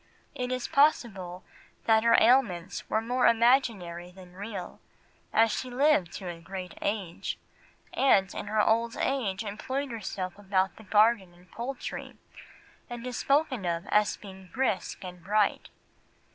It is possible that her ailments were more imaginary than real, as she lived to a great age, and in her old age employed herself about the garden and poultry, and is spoken of as being brisk and bright.